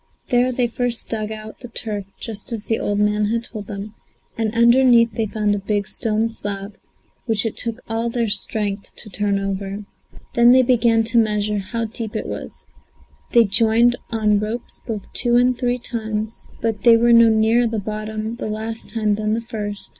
There they first dug out the turf just as the old man had told them, and underneath they found a big stone slab, which it took all their strength to turn over. They then began to measure how deep it was; they joined on ropes both two and three times, but they were no nearer the bottom the last time than the first.